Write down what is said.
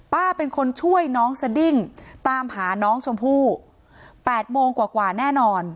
ป้าเป็นคนช่วยน้องสดิ้งตามหาน้องชมพู่๘โมงกว่าแน่นอน